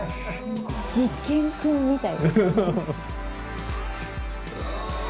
「実験くん」みたいです。